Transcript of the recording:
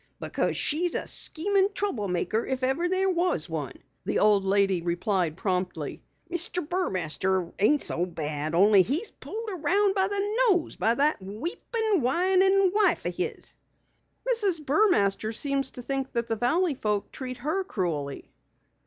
"Because she's a scheming, trouble maker if there ever was one!" the old lady replied promptly. "Mr. Burmaster ain't so bad, only he's pulled around by the nose by that weepin', whinin' wife of his." "Mrs. Burmaster seems to think that the valley folk treat her cruelly."